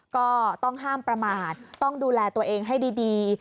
ก็ต้องห้ามประมาทต้องดูแลตัวเองให้ดี